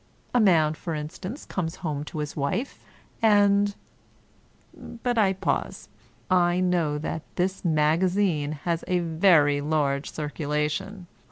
A man, for instance, comes home to his wife, and ... but I pause — I know that this Magazine has a very large circulation.